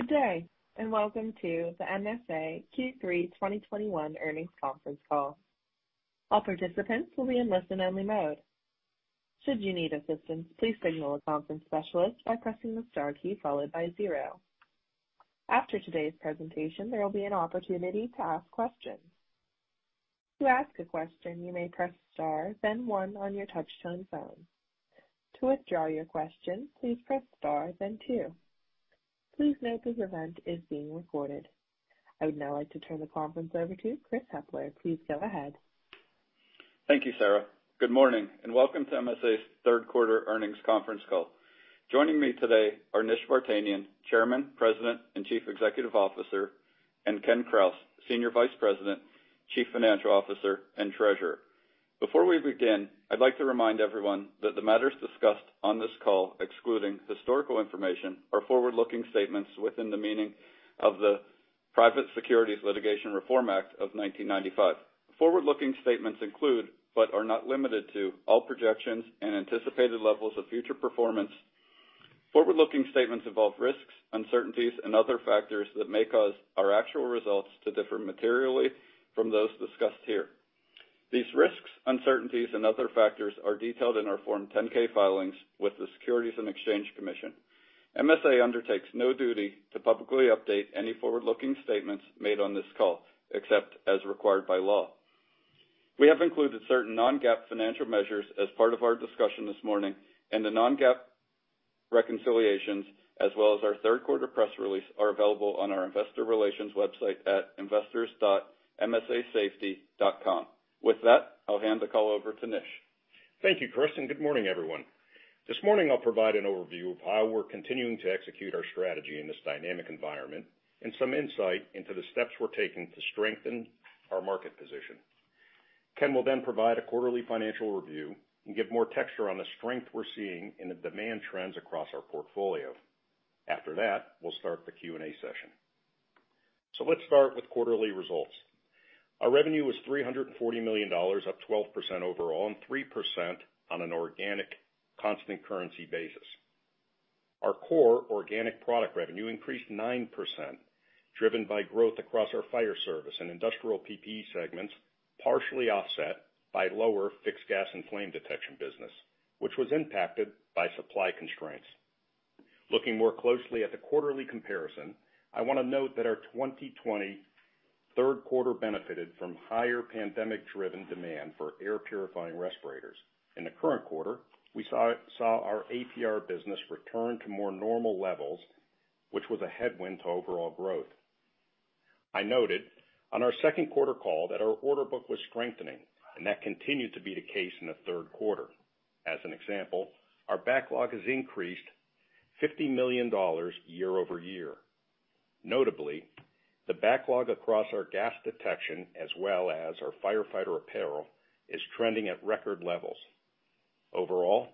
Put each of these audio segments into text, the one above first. Good day, and welcome to the MSA Q3 2021 Earnings Conference Call. All participants will be in listen-only mode. Should you need assistance, please signal a conference specialist by pressing the star key followed by zero. After today's presentation, there will be an opportunity to ask questions. To ask a question, you may press star then one on your touchtone phone. To withdraw your question, please press star then two. Please note this event is being recorded. I would now like to turn the conference over to Chris Hepler. Please go ahead. Thank you, Sarah. Good morning, and welcome to MSA's Third Quarter Earnings Conference Call. Joining me today are Nish Vartanian, Chairman, President, and Chief Executive Officer, and Ken Krause, Senior Vice President, Chief Financial Officer, and Treasurer. Before we begin, I'd like to remind everyone that the matters discussed on this call, excluding historical information, are forward-looking statements within the meaning of the Private Securities Litigation Reform Act of 1995. Forward-looking statements include, but are not limited to, all projections and anticipated levels of future performance. Forward-looking statements involve risks, uncertainties, and other factors that may cause our actual results to differ materially from those discussed here. These risks, uncertainties, and other factors are detailed in our Form 10-K filings with the Securities and Exchange Commission. MSA undertakes no duty to publicly update any forward-looking statements made on this call, except as required by law. We have included certain non-GAAP financial measures as part of our discussion this morning, and the non-GAAP reconciliations, as well as our third quarter press release are available on our investor relations website at investors.msasafety.com. With that, I'll hand the call over to Nish. Thank you, Chris, and good morning, everyone. This morning I'll provide an overview of how we're continuing to execute our strategy in this dynamic environment and some insight into the steps we're taking to strengthen our market position. Ken will then provide a quarterly financial review and give more texture on the strength we're seeing in the demand trends across our portfolio. After that, we'll start the Q&A session. Let's start with quarterly results. Our revenue was $340 million, up 12% overall and 3% on an organic constant currency basis. Our core organic product revenue increased 9%, driven by growth across our fire service and industrial PPE segments, partially offset by lower fixed gas and flame detection business, which was impacted by supply constraints. Looking more closely at the quarterly comparison, I wanna note that our 2023 third quarter benefited from higher pandemic-driven demand for air purifying respirators. In the current quarter, we saw our APR business return to more normal levels, which was a headwind to overall growth. I noted on our second quarter call that our order book was strengthening, and that continued to be the case in the third quarter. As an example, our backlog has increased $50 million year-over-year. Notably, the backlog across our gas detection, as well as our firefighter apparel, is trending at record levels. Overall,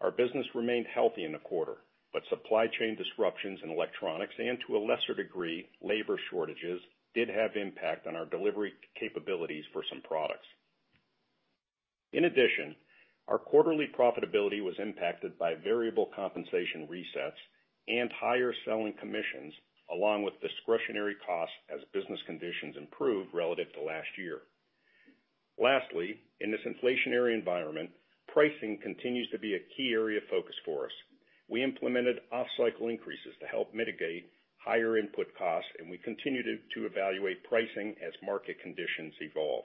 our business remained healthy in the quarter, but supply chain disruptions in electronics and to a lesser degree, labor shortages, did have impact on our delivery capabilities for some products. In addition, our quarterly profitability was impacted by variable compensation resets and higher selling commissions, along with discretionary costs as business conditions improved relative to last year. Lastly, in this inflationary environment, pricing continues to be a key area of focus for us. We implemented off-cycle increases to help mitigate higher input costs, and we continue to evaluate pricing as market conditions evolve.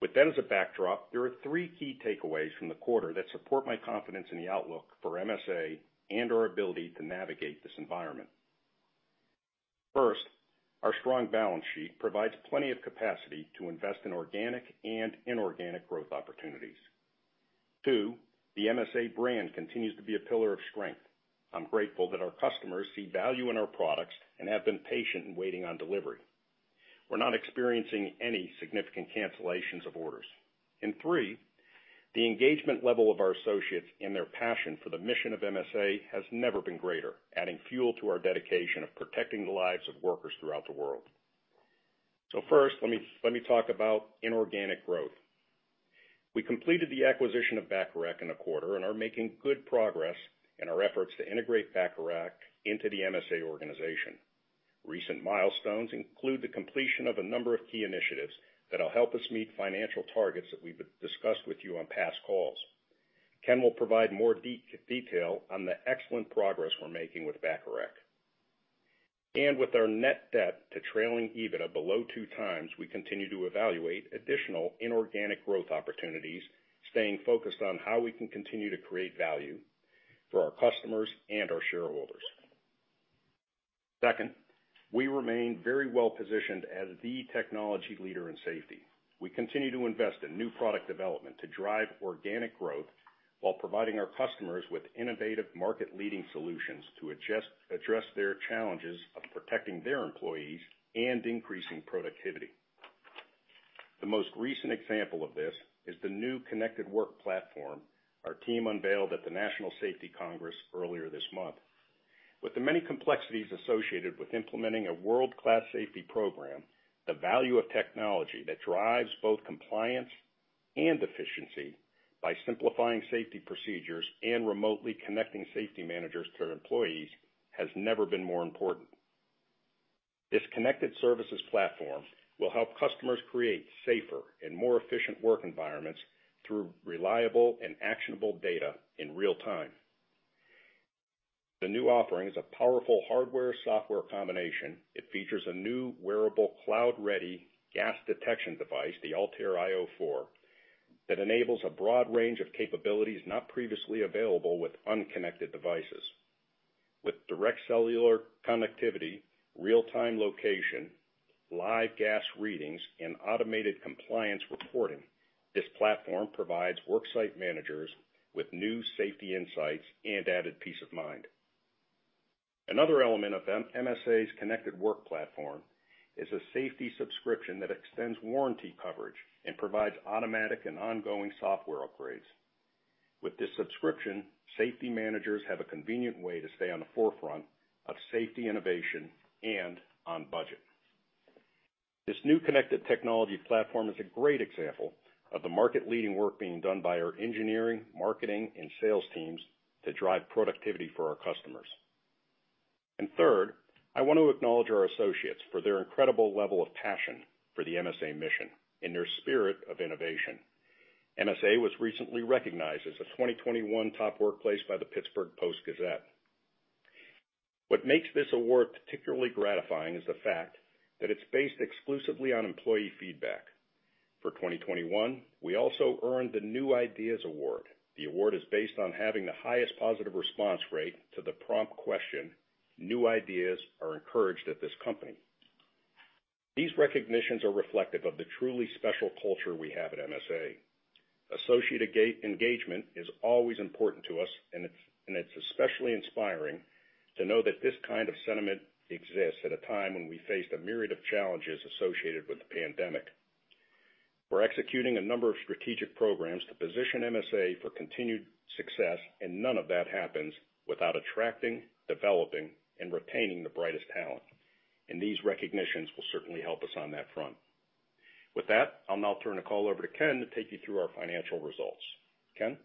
With that as a backdrop, there are three key takeaways from the quarter that support my confidence in the outlook for MSA and our ability to navigate this environment. First, our strong balance sheet provides plenty of capacity to invest in organic and inorganic growth opportunities. Two, the MSA brand continues to be a pillar of strength. I'm grateful that our customers see value in our products and have been patient in waiting on delivery. We're not experiencing any significant cancellations of orders. Three, the engagement level of our associates and their passion for the mission of MSA has never been greater, adding fuel to our dedication of protecting the lives of workers throughout the world. First, let me talk about inorganic growth. We completed the acquisition of Bacharach in the quarter and are making good progress in our efforts to integrate Bacharach into the MSA organization. Recent milestones include the completion of a number of key initiatives that'll help us meet financial targets that we've discussed with you on past calls. Ken will provide more detail on the excellent progress we're making with Bacharach. With our net debt to trailing EBITDA below two times, we continue to evaluate additional inorganic growth opportunities, staying focused on how we can continue to create value for our customers and our shareholders. Second, we remain very well-positioned as the technology leader in safety. We continue to invest in new product development to drive organic growth while providing our customers with innovative market-leading solutions to address their challenges of protecting their employees and increasing productivity. The most recent example of this is the new Connected Work Platform our team unveiled at the National Safety Congress earlier this month. With the many complexities associated with implementing a world-class safety program, the value of technology that drives both compliance and efficiency by simplifying safety procedures and remotely connecting safety managers to their employees has never been more important. This connected services platform will help customers create safer and more efficient work environments through reliable and actionable data in real time. The new offering is a powerful hardware and software combination. It features a new wearable cloud-ready gas detection device, the ALTAIR io4, that enables a broad range of capabilities not previously available with unconnected devices. With direct cellular connectivity, real-time location, live gas readings, and automated compliance reporting, this platform provides worksite managers with new safety insights and added peace of mind. Another element of MSA's Connected Work Platform is a safety subscription that extends warranty coverage and provides automatic and ongoing software upgrades. With this subscription, safety managers have a convenient way to stay on the forefront of safety innovation and on budget. This new connected technology platform is a great example of the market-leading work being done by our engineering, marketing, and sales teams to drive productivity for our customers. Third, I want to acknowledge our associates for their incredible level of passion for the MSA mission and their spirit of innovation. MSA was recently recognized as a 2021 top workplace by the Pittsburgh Post-Gazette. What makes this award particularly gratifying is the fact that it's based exclusively on employee feedback. For 2021, we also earned the New Ideas Award. The award is based on having the highest positive response rate to the prompt question, "New ideas are encouraged at this company." These recognitions are reflective of the truly special culture we have at MSA. Associate engagement is always important to us, and it's especially inspiring to know that this kind of sentiment exists at a time when we faced a myriad of challenges associated with the pandemic. We're executing a number of strategic programs to position MSA for continued success, and none of that happens without attracting, developing, and retaining the brightest talent. These recognitions will certainly help us on that front. With that, I'll now turn the call over to Ken to take you through our financial results. Ken?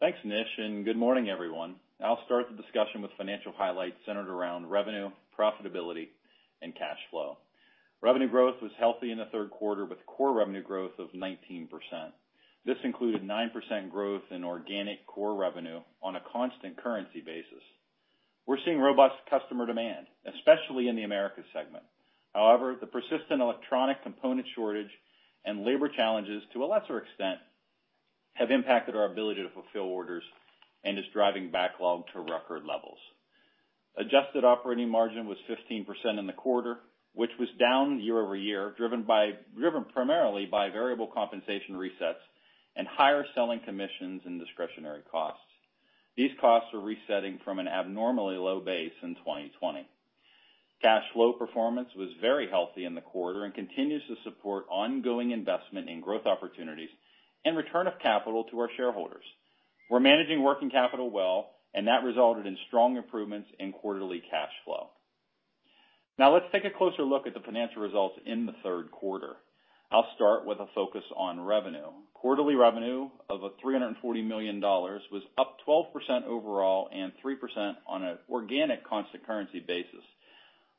Thanks, Nish, and good morning, everyone. I'll start the discussion with financial highlights centered around revenue, profitability, and cash flow. Revenue growth was healthy in the third quarter with core revenue growth of 19%. This included 9% growth in organic core revenue on a constant currency basis. We're seeing robust customer demand, especially in the Americas segment. However, the persistent electronic component shortage and labor challenges to a lesser extent have impacted our ability to fulfill orders and is driving backlog to record levels. Adjusted operating margin was 15% in the quarter, which was down year-over-year, driven primarily by variable compensation resets and higher selling commissions and discretionary costs. These costs are resetting from an abnormally low base in 2020. Cash flow performance was very healthy in the quarter and continues to support ongoing investment in growth opportunities and return of capital to our shareholders. We're managing working capital well, and that resulted in strong improvements in quarterly cash flow. Now let's take a closer look at the financial results in the third quarter. I'll start with a focus on revenue. Quarterly revenue of $340 million was up 12% overall and 3% on an organic constant currency basis.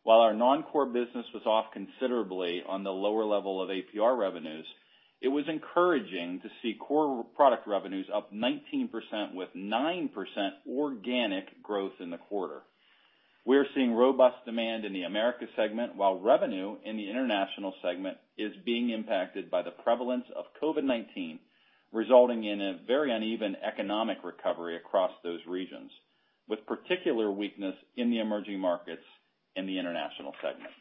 While our non-core business was off considerably on the lower level of APR revenues, it was encouraging to see core product revenues up 19% with 9% organic growth in the quarter. We're seeing robust demand in the Americas segment, while revenue in the international segment is being impacted by the prevalence of COVID-19, resulting in a very uneven economic recovery across those regions, with particular weakness in the emerging markets in the international segment.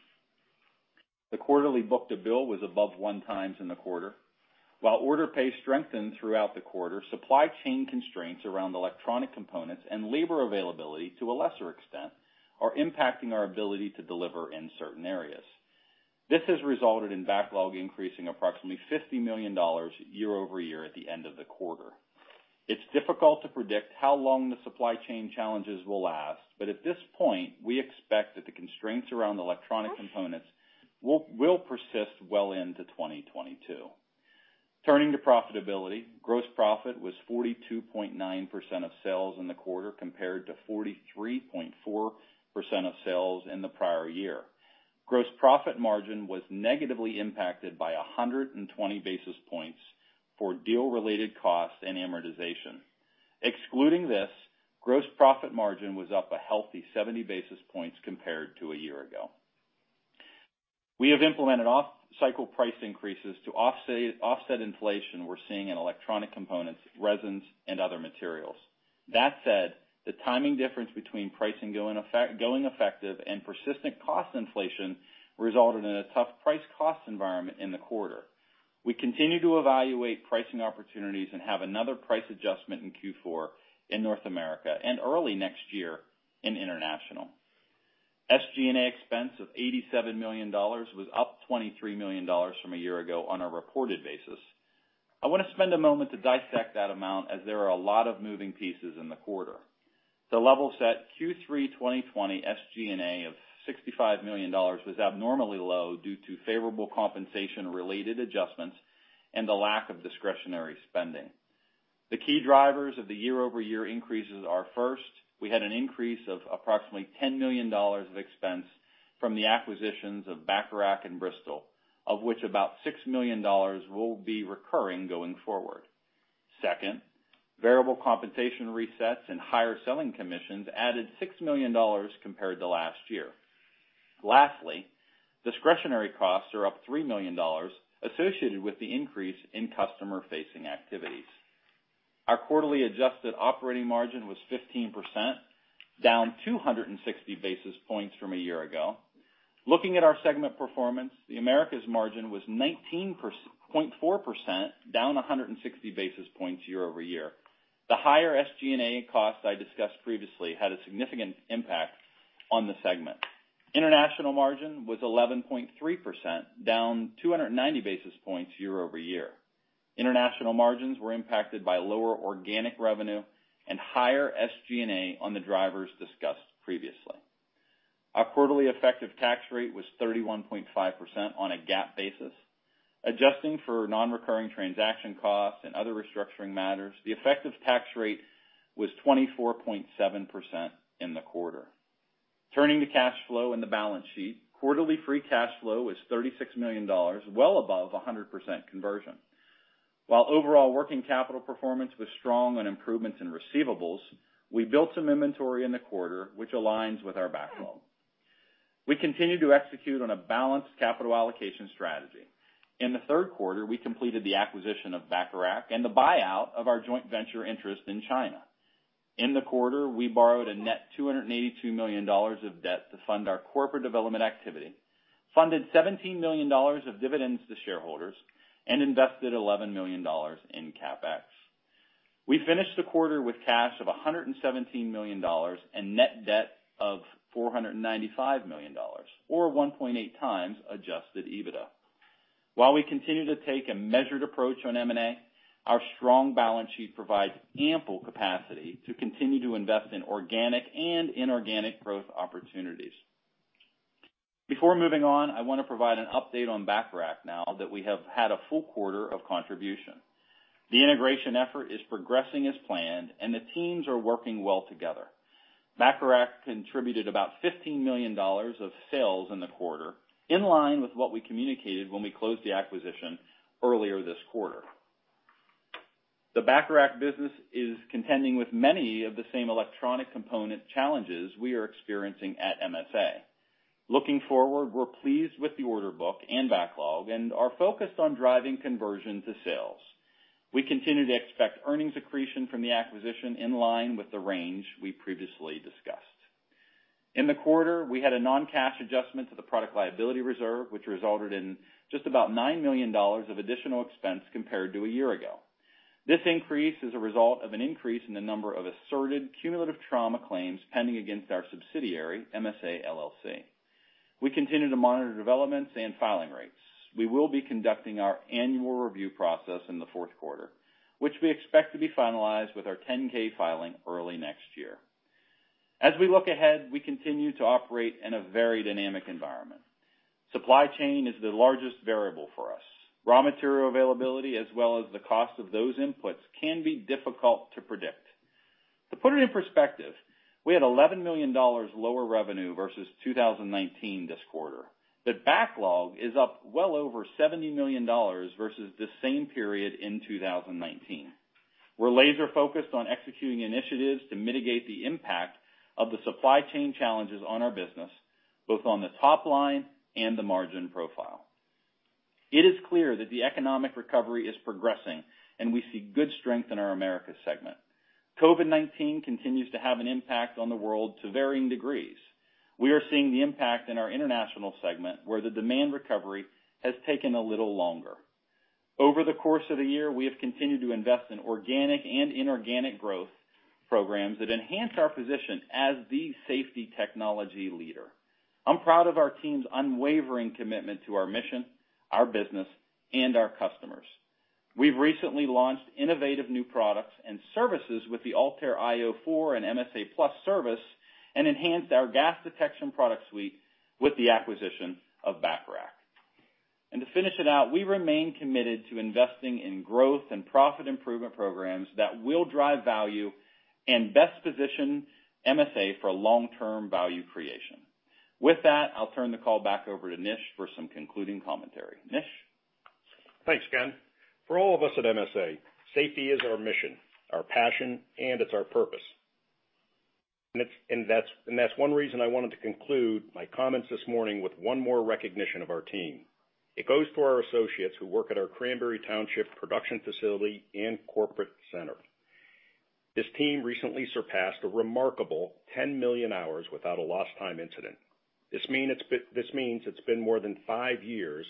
The quarterly book-to-bill was above one times in the quarter. While order pace strengthened throughout the quarter, supply chain constraints around electronic components and labor availability to a lesser extent are impacting our ability to deliver in certain areas. This has resulted in backlog increasing approximately $50 million year-over-year at the end of the quarter. It's difficult to predict how long the supply chain challenges will last, but at this point, we expect that the constraints around electronic components will persist well into 2022. Turning to profitability, gross profit was 42.9% of sales in the quarter compared to 43.4% of sales in the prior year. Gross profit margin was negatively impacted by 120 basis points for deal-related costs and amortization. Excluding this, gross profit margin was up a healthy 70 basis points compared to a year ago. We have implemented off-cycle price increases to offset inflation we're seeing in electronic components, resins, and other materials. That said, the timing difference between pricing going effective and persistent cost inflation resulted in a tough price cost environment in the quarter. We continue to evaluate pricing opportunities and have another price adjustment in Q4 in North America and early next year in International. SG&A expense of $87 million was up $23 million from a year ago on a reported basis. I wanna spend a moment to dissect that amount as there are a lot of moving pieces in the quarter. The level set Q3 2020 SG&A of $65 million was abnormally low due to favorable compensation related adjustments and the lack of discretionary spending. The key drivers of the year-over-year increases are first, we had an increase of approximately $10 million of expense from the acquisitions of Bacharach and Bristol, of which about $6 million will be recurring going forward. Second, variable compensation resets and higher selling commissions added $6 million compared to last year. Lastly, discretionary costs are up $3 million associated with the increase in customer-facing activities. Our quarterly adjusted operating margin was 15%, down 260 basis points from a year ago. Looking at our segment performance, the Americas margin was 19.4%, down 160 basis points year-over-year. The higher SG&A costs I discussed previously had a significant impact on the segment. International margin was 11.3%, down 290 basis points year-over-year. International margins were impacted by lower organic revenue and higher SG&A on the drivers discussed previously. Our quarterly effective tax rate was 31.5% on a GAAP basis. Adjusting for non-recurring transaction costs and other restructuring matters, the effective tax rate was 24.7% in the quarter. Turning to cash flow and the balance sheet. Quarterly free cash flow was $36 million, well above 100% conversion. While overall working capital performance was strong on improvements in receivables, we built some inventory in the quarter, which aligns with our backlog. We continue to execute on a balanced capital allocation strategy. In the third quarter, we completed the acquisition of Bacharach and the buyout of our joint venture interest in China. In the quarter, we borrowed a net $282 million of debt to fund our corporate development activity, funded $17 million of dividends to shareholders, and invested $11 million in CapEx. We finished the quarter with cash of $117 million and net debt of $495 million or 1.8 times adjusted EBITDA. While we continue to take a measured approach on M&A, our strong balance sheet provides ample capacity to continue to invest in organic and inorganic growth opportunities. Before moving on, I wanna provide an update on Bacharach now that we have had a full quarter of contribution. The integration effort is progressing as planned, and the teams are working well together. Bacharach contributed about $15 million of sales in the quarter, in line with what we communicated when we closed the acquisition earlier this quarter. The Bacharach business is contending with many of the same electronic component challenges we are experiencing at MSA. Looking forward, we're pleased with the order book and backlog and are focused on driving conversion to sales. We continue to expect earnings accretion from the acquisition in line with the range we previously discussed. In the quarter, we had a non-cash adjustment to the product liability reserve, which resulted in just about $9 million of additional expense compared to a year ago. This increase is a result of an increase in the number of asserted cumulative trauma claims pending against our subsidiary, MSA LLC. We continue to monitor developments and filing rates. We will be conducting our annual review process in the fourth quarter, which we expect to be finalized with our 10-K filing early next year. As we look ahead, we continue to operate in a very dynamic environment. Supply chain is the largest variable for us. Raw material availability, as well as the cost of those inputs, can be difficult to predict. To put it in perspective, we had $11 million lower revenue versus 2019 this quarter. The backlog is up well over $70 million versus the same period in 2019. We're laser focused on executing initiatives to mitigate the impact of the supply chain challenges on our business, both on the top line and the margin profile. It is clear that the economic recovery is progressing, and we see good strength in our Americas segment. COVID-19 continues to have an impact on the world to varying degrees. We are seeing the impact in our International segment, where the demand recovery has taken a little longer. Over the course of the year, we have continued to invest in organic and inorganic growth programs that enhance our position as the safety technology leader. I'm proud of our team's unwavering commitment to our mission, our business, and our customers. We've recently launched innovative new products and services with the ALTAIR io4 and MSA+ service, and enhanced our gas detection product suite with the acquisition of Bacharach. To finish it out, we remain committed to investing in growth and profit improvement programs that will drive value and best position MSA for long-term value creation. With that, I'll turn the call back over to Nish for some concluding commentary. Nish? Thanks, Ken. For all of us at MSA, safety is our mission, our passion, and it's our purpose. That's one reason I wanted to conclude my comments this morning with one more recognition of our team. It goes to our associates who work at our Cranberry Township production facility and corporate center. This team recently surpassed a remarkable 10 million hours without a lost time incident. This means it's been more than five years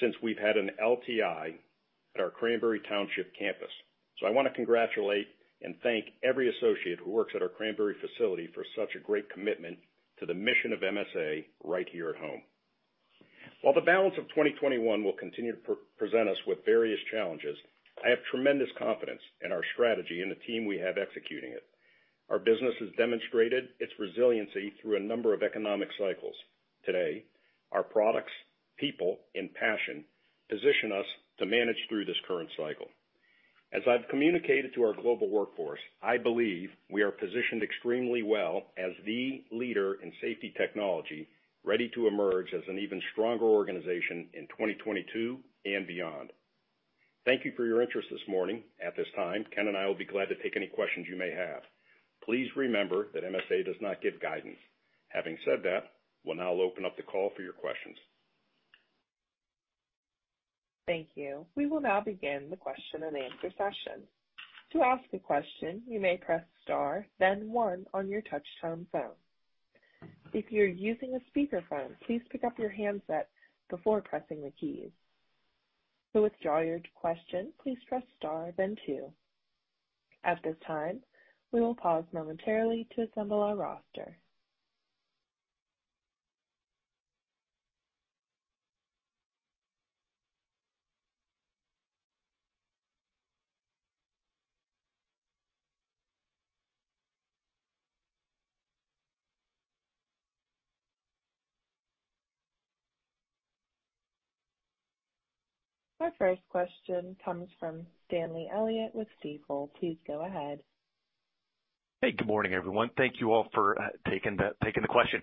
since we've had an LTI at our Cranberry Township campus. I wanna congratulate and thank every associate who works at our Cranberry facility for such a great commitment to the mission of MSA right here at home. While the balance of 2021 will continue to present us with various challenges, I have tremendous confidence in our strategy and the team we have executing it. Our business has demonstrated its resiliency through a number of economic cycles. Today, our products, people, and passion position us to manage through this current cycle. As I've communicated to our global workforce, I believe we are positioned extremely well as the leader in safety technology, ready to emerge as an even stronger organization in 2022 and beyond. Thank you for your interest this morning. At this time, Ken and I will be glad to take any questions you may have. Please remember that MSA does not give guidance. Having said that, we'll now open up the call for your questions. Thank you. We will now begin the question and answer session. To ask a question, you may press star then one on your touchtone phone. If you're using a speaker phone, please pick up your handset before pressing the keys. To withdraw your question, please press star then two. At this time, we will pause momentarily to assemble our roster. Our first question comes from Stanley Elliott with Stifel. Please go ahead. Hey, good morning, everyone. Thank you all for taking the question.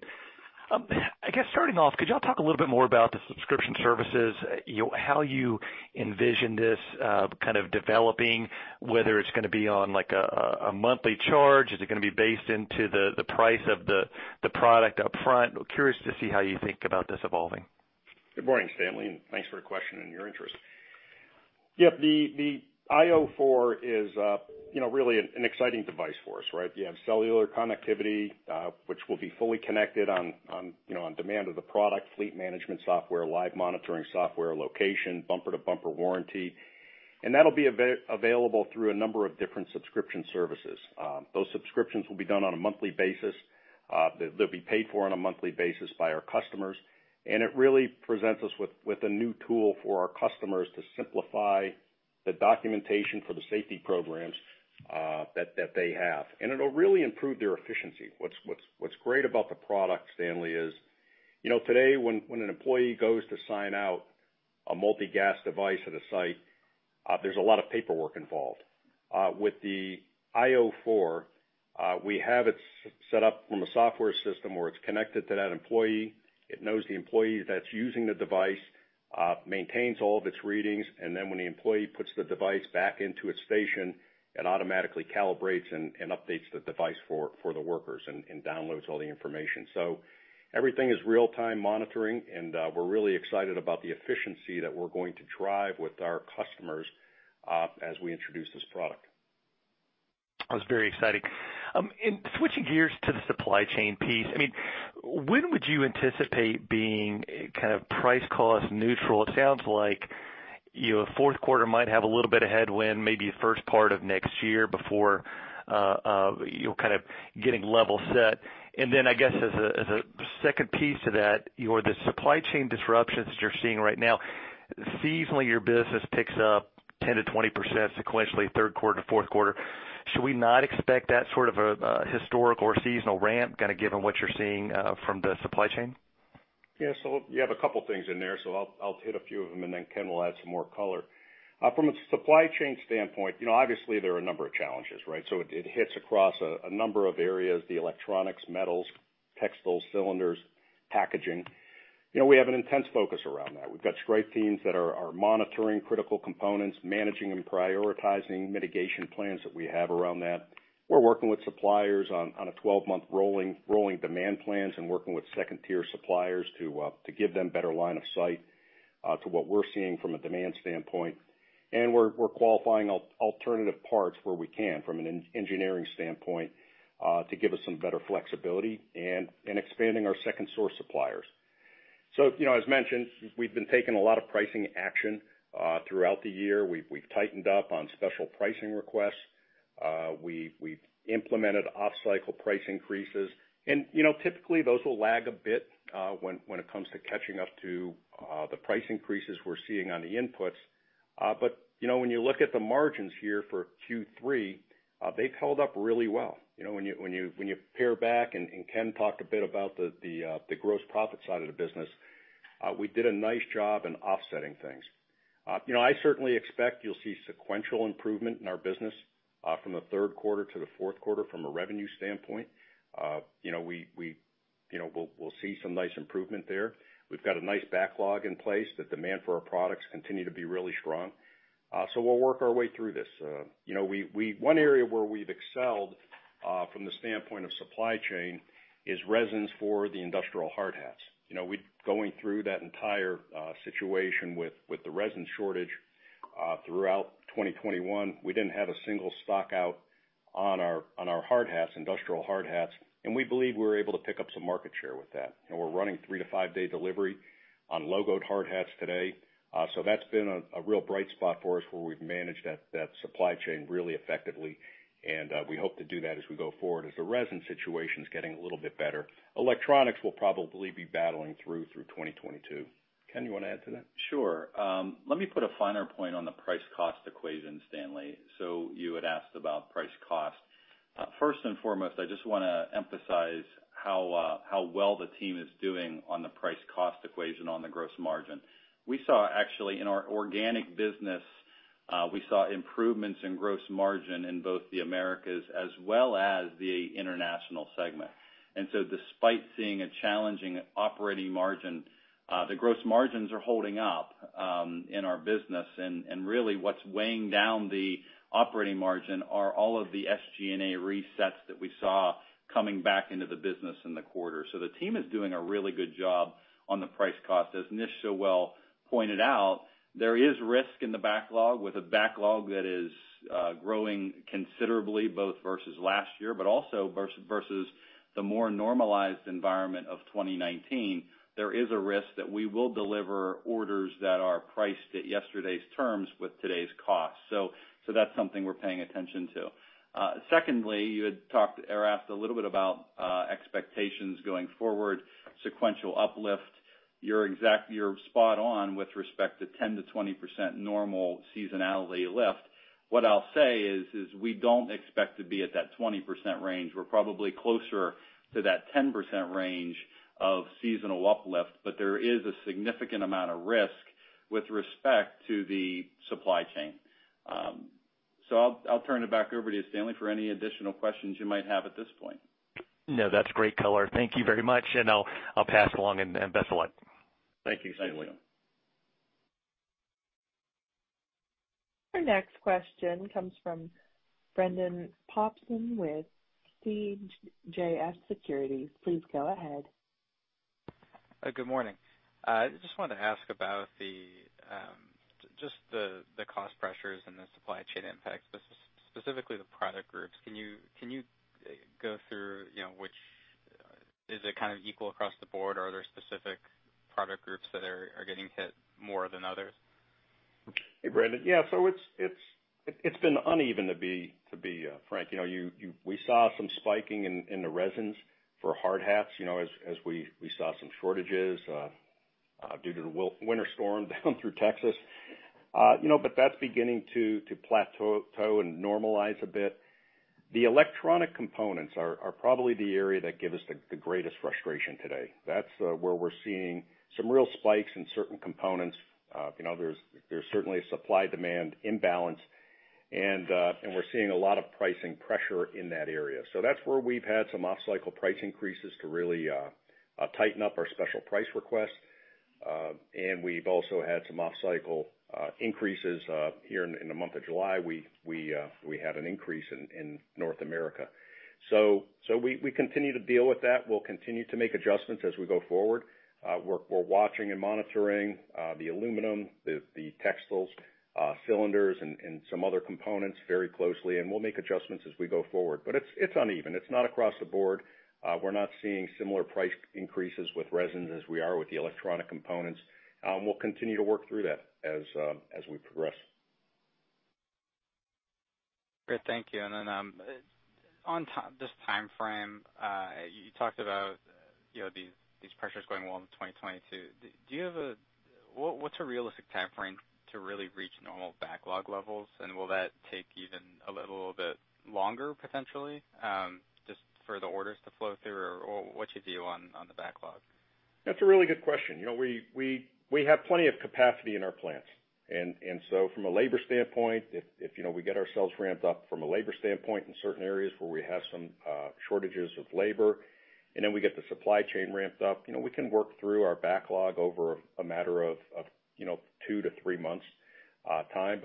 I guess starting off, could y'all talk a little bit more about the subscription services, you know, how you envision this kind of developing, whether it's gonna be on like a monthly charge? Is it gonna be based into the price of the product up front? Curious to see how you think about this evolving. Good morning, Stanley, and thanks for the question and your interest. Yep, the io4 is, you know, really an exciting device for us, right? You have cellular connectivity, which will be fully connected on demand of the product, fleet management software, live monitoring software, location, bumper-to-bumper warranty. That'll be available through a number of different subscription services. Those subscriptions will be done on a monthly basis. They'll be paid for on a monthly basis by our customers. It really presents us with a new tool for our customers to simplify the documentation for the safety programs that they have. It'll really improve their efficiency. What's great about the product, Stanley, is, you know, today when an employee goes to sign out a multi-gas device at a site, there's a lot of paperwork involved. With the io4, we have it set up from a software system where it's connected to that employee. It knows the employee that's using the device, maintains all of its readings, and then when the employee puts the device back into its station, it automatically calibrates and updates the device for the workers and downloads all the information. Everything is real-time monitoring, and we're really excited about the efficiency that we're going to drive with our customers as we introduce this product. That's very exciting. Switching gears to the supply chain piece, I mean, when would you anticipate being kind of price cost neutral? It sounds like your fourth quarter might have a little bit of headwind, maybe first part of next year before you're kind of getting level set. Then I guess as a second piece to that, you know, the supply chain disruptions that you're seeing right now, seasonally, your business picks up 10%-20% sequentially third quarter, fourth quarter. Should we not expect that sort of a historical or seasonal ramp, kind of given what you're seeing from the supply chain? Yeah. You have a couple things in there, so I'll hit a few of them, and then Ken will add some more color. From a supply chain standpoint, you know, obviously there are a number of challenges, right? It hits across a number of areas, the electronics, metals, textiles, cylinders, packaging. You know, we have an intense focus around that. We've got great teams that are monitoring critical components, managing and prioritizing mitigation plans that we have around that. We're working with suppliers on a 12-month rolling demand plans and working with second-tier suppliers to give them better line of sight to what we're seeing from a demand standpoint. We're qualifying alternative parts where we can from an engineering standpoint to give us some better flexibility and expanding our second source suppliers. You know, as mentioned, we've been taking a lot of pricing action throughout the year. We've tightened up on special pricing requests. We've implemented off-cycle price increases. You know, typically those will lag a bit when it comes to catching up to the price increases we're seeing on the inputs. You know, when you look at the margins here for Q3, they've held up really well. You know, when you pare back and Ken talked a bit about the gross profit side of the business, we did a nice job in offsetting things. You know, I certainly expect you'll see sequential improvement in our business from the third quarter to the fourth quarter from a revenue standpoint. You know, we'll see some nice improvement there. We've got a nice backlog in place. The demand for our products continue to be really strong. So we'll work our way through this. You know, one area where we've excelled from the standpoint of supply chain is resins for the industrial hard hats. You know, going through that entire situation with the resin shortage throughout 2021, we didn't have a single stock out on our hard hats, industrial hard hats, and we believe we're able to pick up some market share with that. We're running three to five day delivery on logoed hard hats today. That's been a real bright spot for us where we've managed that supply chain really effectively, and we hope to do that as we go forward as the resin situation's getting a little bit better. Electronics will probably be battling through 2022. Ken, you wanna add to that? Sure. Let me put a finer point on the price cost equation, Stanley. You had asked about price cost. First and foremost, I just wanna emphasize how well the team is doing on the price cost equation on the gross margin. We saw actually, in our organic business, we saw improvements in gross margin in both the Americas as well as the international segment. Despite seeing a challenging operating margin, the gross margins are holding up in our business. Really what's weighing down the operating margin are all of the SG&A resets that we saw coming back into the business in the quarter. The team is doing a really good job on the price cost. As Nish so well pointed out, there is risk in the backlog. With a backlog that is growing considerably both versus last year, but also versus the more normalized environment of 2019, there is a risk that we will deliver orders that are priced at yesterday's terms with today's costs. That's something we're paying attention to. Secondly, you had talked or asked a little bit about expectations going forward, sequential uplift. You're spot on with respect to 10%-20% normal seasonality lift. What I'll say is we don't expect to be at that 20% range. We're probably closer to that 10% range of seasonal uplift, but there is a significant amount of risk with respect to the supply chain. I'll turn it back over to you, Stanley, for any additional questions you might have at this point. No, that's great color. Thank you very much, and I'll pass along and best of luck. Thank you, Stanley. Thank you. Our next question comes from Brendan Popson with CJS Securities. Please go ahead. Good morning. I just wanted to ask about just the cost pressures and the supply chain impact, specifically the product groups. Can you go through, you know, is it kind of equal across the board, or are there specific product groups that are getting hit more than others? Hey, Brendan. Yeah, so it's been uneven, to be frank. You know, we saw some spiking in the resins for hard hats, you know, as we saw some shortages due to the winter storm down through Texas. You know, but that's beginning to plateau and normalize a bit. The electronic components are probably the area that give us the greatest frustration today. That's where we're seeing some real spikes in certain components. You know, there's certainly a supply-demand imbalance, and we're seeing a lot of pricing pressure in that area. So that's where we've had some off-cycle price increases to really tighten up our special price requests. We've also had some off-cycle increases here in the month of July. We had an increase in North America. We continue to deal with that. We'll continue to make adjustments as we go forward. We're watching and monitoring the aluminum, the textiles, cylinders and some other components very closely, and we'll make adjustments as we go forward. It's uneven. It's not across the board. We're not seeing similar price increases with resins as we are with the electronic components. We'll continue to work through that as we progress. Great. Thank you. Then, on this timeframe, you talked about, you know, these pressures going well into 2022. Do you have a... What's a realistic timeframe to really reach normal backlog levels? And will that take even a little bit longer potentially, just for the orders to flow through? Or what's your view on the backlog? That's a really good question. We have plenty of capacity in our plants. From a labor standpoint, if we get ourselves ramped up from a labor standpoint in certain areas where we have some shortages of labor, and then we get the supply chain ramped up, we can work through our backlog over a matter of two to three months time.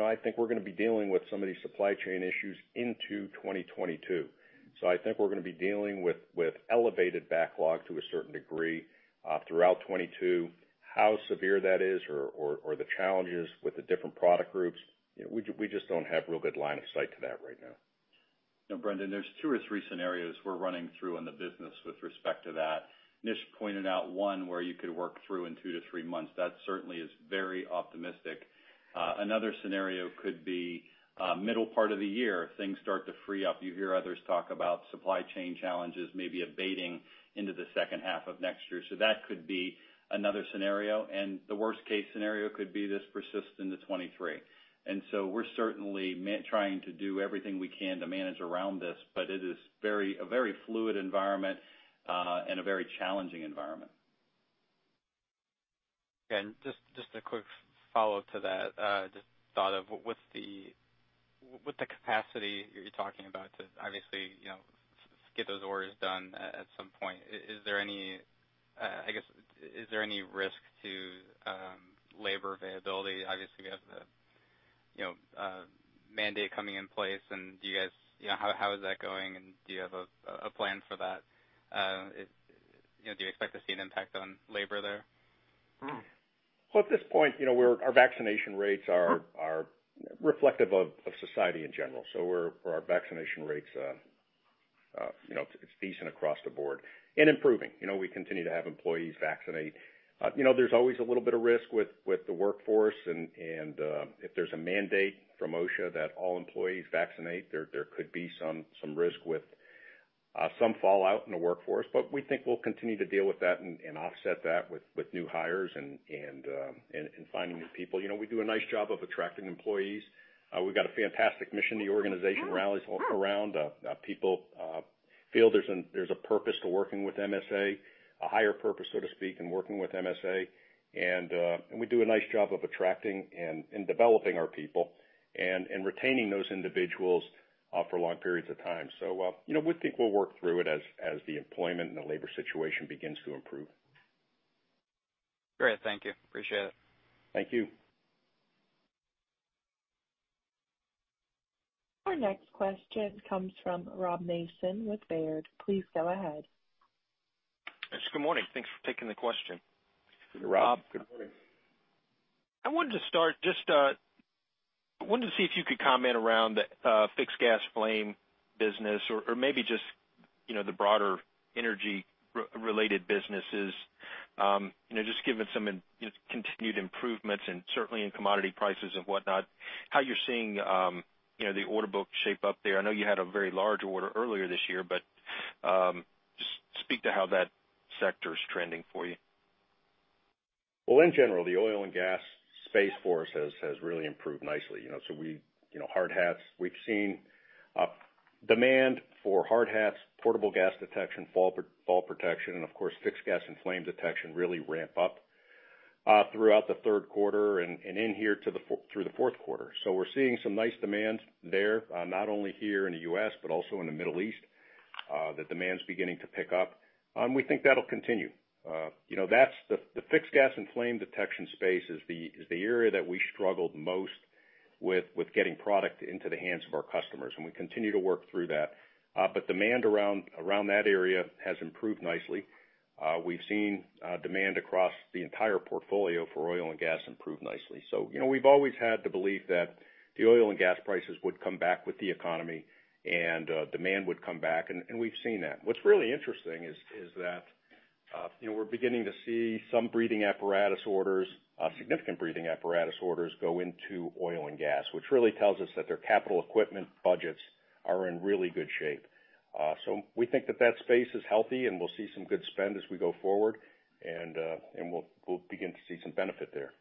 I think we're gonna be dealing with some of these supply chain issues into 2022. I think we're gonna be dealing with elevated backlog to a certain degree throughout 2022. How severe that is or the challenges with the different product groups, we just don't have real good line of sight to that right now. You know, Brendan, there's two or three scenarios we're running through in the business with respect to that. Nish pointed out one where you could work through in two to three months. That certainly is very optimistic. Another scenario could be middle part of the year, things start to free up. You hear others talk about supply chain challenges maybe abating into the second half of next year. So that could be another scenario. The worst case scenario could be this persists into 2023. We're certainly trying to do everything we can to manage around this, but it is a very fluid environment, and a very challenging environment. Just a quick follow-up to that just thought of. With the capacity you're talking about to obviously you know get those orders done at some point, I guess, is there any risk to labor availability? Obviously, you have the you know mandate coming in place, and do you guys you know how is that going, and do you have a plan for that? You know, do you expect to see an impact on labor there? Well, at this point, you know, our vaccination rates are reflective of society in general. For our vaccination rates, you know, it's decent across the board and improving. You know, we continue to have employees vaccinate. You know, there's always a little bit of risk with the workforce and if there's a mandate from OSHA that all employees vaccinate, there could be some risk with some fallout in the workforce. But we think we'll continue to deal with that and offset that with new hires and finding new people. You know, we do a nice job of attracting employees. We've got a fantastic mission. The organization rallies around people feel there's a purpose to working with MSA, a higher purpose, so to speak, in working with MSA. We do a nice job of attracting and developing our people and retaining those individuals for long periods of time. You know, we think we'll work through it as the employment and the labor situation begins to improve. Great. Thank you. Appreciate it. Thank you. Our next question comes from Rob Mason with Baird. Please go ahead. Good morning. Thanks for taking the question. Rob, good morning. I wanted to see if you could comment around the fixed gas flame business or maybe just, you know, the broader energy-related businesses, you know, just given some continued improvements and certainly in commodity prices and whatnot, how you're seeing, you know, the order book shape up there. I know you had a very large order earlier this year, but just speak to how that sector is trending for you. Well, in general, the oil and gas space for us has really improved nicely, you know. We've seen demand for hard hats, portable gas detection, fall protection and, of course, fixed gas and flame detection really ramp up throughout the third quarter and into the fourth quarter. We're seeing some nice demand there, not only here in the U.S., but also in the Middle East, that demand's beginning to pick up. We think that'll continue. You know, the fixed gas and flame detection space is the area that we struggled most with getting product into the hands of our customers, and we continue to work through that. Demand around that area has improved nicely. We've seen demand across the entire portfolio for oil and gas improve nicely. You know, we've always had the belief that the oil and gas prices would come back with the economy and demand would come back, and we've seen that. What's really interesting is that you know, we're beginning to see some breathing apparatus orders, significant breathing apparatus orders go into oil and gas, which really tells us that their capital equipment budgets are in really good shape. So we think that that space is healthy, and we'll see some good spend as we go forward. We'll begin to see some benefit there.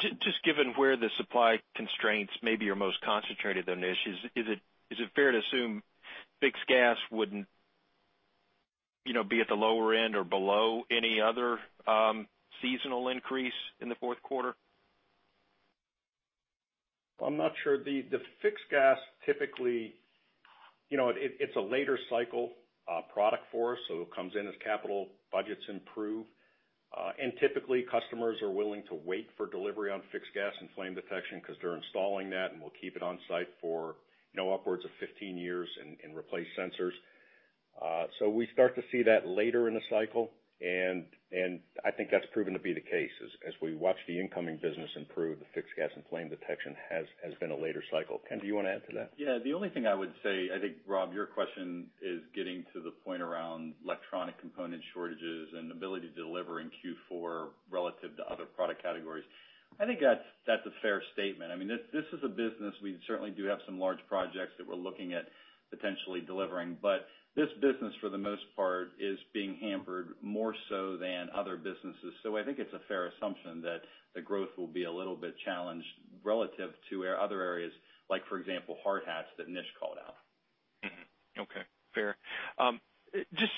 Just given where the supply constraints maybe are most concentrated then, Nish, is it fair to assume fixed gas wouldn't, you know, be at the lower end or below any other seasonal increase in the fourth quarter? I'm not sure. The fixed gas typically, you know, it's a later cycle product for us, so it comes in as capital budgets improve. And typically customers are willing to wait for delivery on fixed gas and flame detection because they're installing that, and we'll keep it on site for, you know, upwards of 15 years and replace sensors. So we start to see that later in the cycle. I think that's proven to be the case. As we watch the incoming business improve, the fixed gas and flame detection has been a later cycle. Ken, do you want to add to that? Yeah. The only thing I would say, I think, Rob, your question is getting to the point around electronic component shortages and ability to deliver in Q4 relative to other product categories. I think that's a fair statement. I mean, this is a business we certainly do have some large projects that we're looking at potentially delivering, but this business, for the most part, is being hampered more so than other businesses. I think it's a fair assumption that the growth will be a little bit challenged relative to other areas, like, for example, hard hats that Nish called out. Okay, fair. Just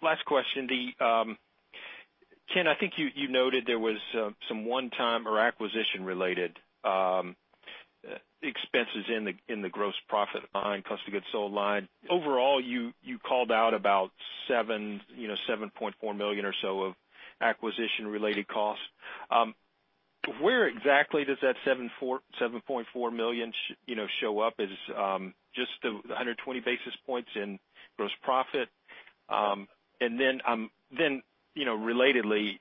last question. Ken, I think you noted there was some one-time or acquisition-related expenses in the gross profit line, cost of goods sold line. Overall, you called out about $7.4 million or so of acquisition-related costs. Where exactly does that $7.4 million show up? Is just the 120 basis points in gross profit? And then, relatedly,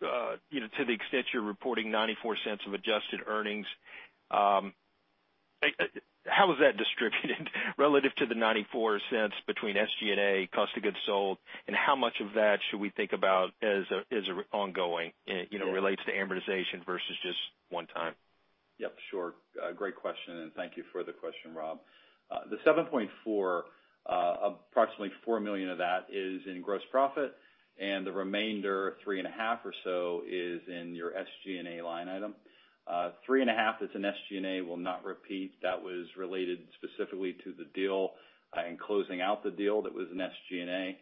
to the extent you're reporting $0.94 of adjusted earnings, how is that distributed relative to the $0.94 between SG&A, cost of goods sold, and how much of that should we think about as ongoing, you know, relates to amortization versus just one time? Yep, sure. A great question, and thank you for the question, Rob. The $7.4 million, approximately $4 million of that is in gross profit, and the remainder, $3.5 million or so, is in your SG&A line item. $3.5 million that's in SG&A will not repeat. That was related specifically to the deal in closing out the deal that was in SG&A.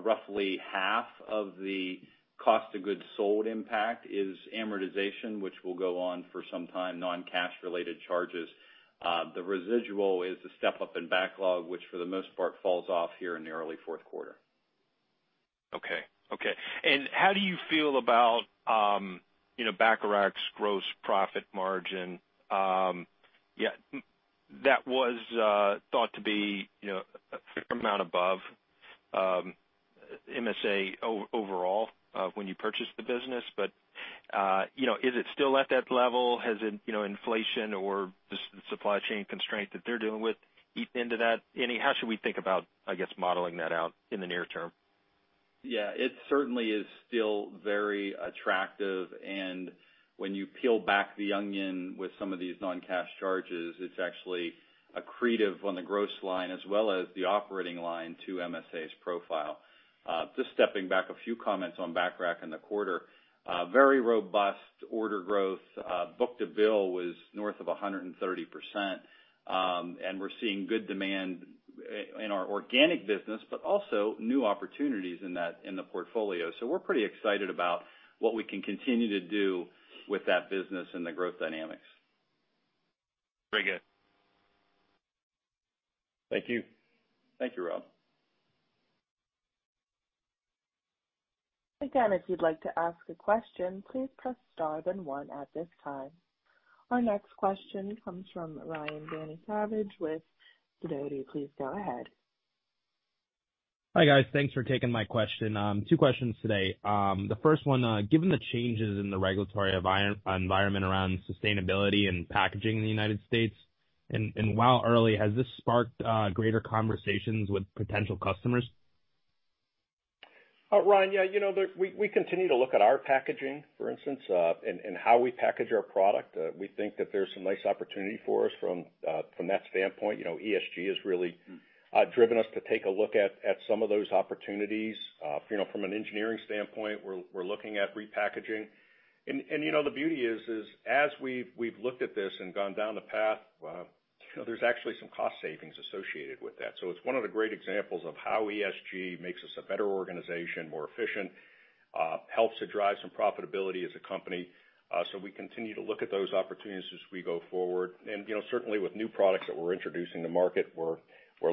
Roughly half of the cost of goods sold impact is amortization, which will go on for some time, non-cash related charges. The residual is the step-up in backlog, which for the most part falls off here in the early fourth quarter. How do you feel about, you know, Bacharach's gross profit margin? That was thought to be, you know, a fair amount above MSA overall or when you purchased the business. You know, is it still at that level? Has it, you know, inflation or the supply chain constraint that they're dealing with eat into that any? How should we think about, I guess, modeling that out in the near term? Yeah. It certainly is still very attractive. When you peel back the onion with some of these non-cash charges, it's actually accretive on the gross line as well as the operating line to MSA's profile. Just stepping back, a few comments on Bacharach in the quarter. Very robust order growth. Book-to-bill was north of 130%. We're seeing good demand in our organic business, but also new opportunities in the portfolio. We're pretty excited about what we can continue to do with that business and the growth dynamics. Very good. Thank you. Thank you, Rob. Again, if you'd like to ask a question, please press star then one at this time. Our next question comes from Ryan Danny Savage with Fidelity. Please go ahead. Hi, guys. Thanks for taking my question. Two questions today. The first one, given the changes in the regulatory environment around sustainability and packaging in the United States, and while early, has this sparked greater conversations with potential customers? Ryan, yeah, you know, we continue to look at our packaging, for instance, and how we package our product. We think that there's some nice opportunity for us from that standpoint. You know, ESG has really driven us to take a look at some of those opportunities. You know, from an engineering standpoint, we're looking at repackaging. You know, the beauty is as we've looked at this and gone down the path, you know, there's actually some cost savings associated with that. It's one of the great examples of how ESG makes us a better organization, more efficient, helps to drive some profitability as a company. We continue to look at those opportunities as we go forward. You know, certainly with new products that we're introducing to market, we're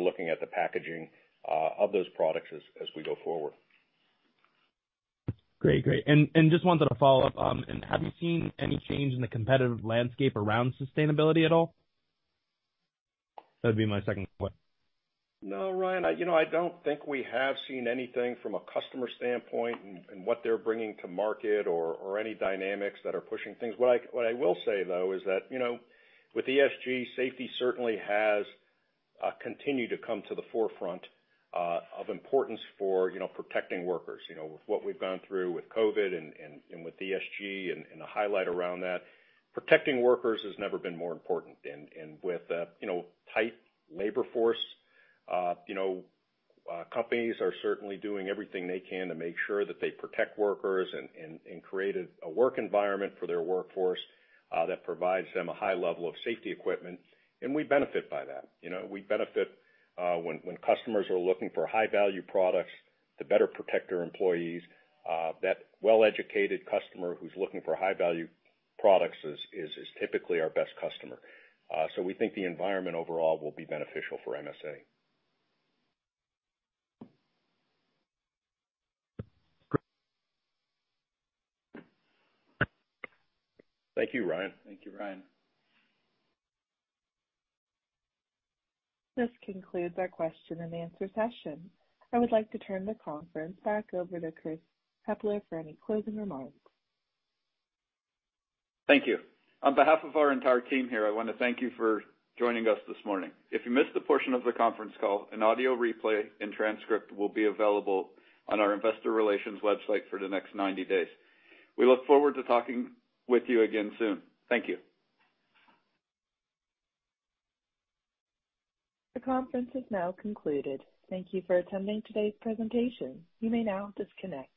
looking at the packaging of those products as we go forward. Great. Just wanted to follow up, and have you seen any change in the competitive landscape around sustainability at all? That'd be my second question. No, Ryan, you know, I don't think we have seen anything from a customer standpoint and what they're bringing to market or any dynamics that are pushing things. What I will say, though, is that, you know, with ESG, safety certainly has continued to come to the forefront of importance for, you know, protecting workers. You know, with what we've gone through with COVID and with ESG and the highlight around that, protecting workers has never been more important. With, you know, tight labor force, you know, companies are certainly doing everything they can to make sure that they protect workers and create a work environment for their workforce that provides them a high level of safety equipment. We benefit by that. You know, we benefit when customers are looking for high-value products to better protect their employees. That well-educated customer who's looking for high-value products is typically our best customer. We think the environment overall will be beneficial for MSA. Thank you, Ryan. Thank you, Ryan. This concludes our question and answer session. I would like to turn the conference back over to Chris Hepler for any closing remarks. Thank you. On behalf of our entire team here, I wanna thank you for joining us this morning. If you missed the portion of the conference call, an audio replay and transcript will be available on our investor relations website for the next 90 days. We look forward to talking with you again soon. Thank you. The conference is now concluded. Thank you for attending today's presentation. You may now disconnect.